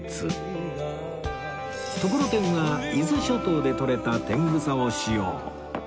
ところてんは伊豆諸島で取れた天草を使用